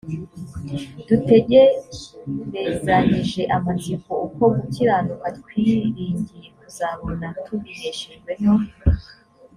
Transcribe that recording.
dutegerezanyije amatsiko uko gukiranuka twiringiye kuzabona tubiheshejwe no